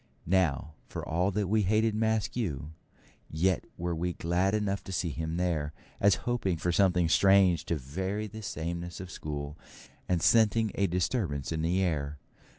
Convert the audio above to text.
Now, for all that we hated Maskew, yet were we glad enough to see him there, as hoping for something strange to vary the sameness of school, and scenting a disturbance in the air.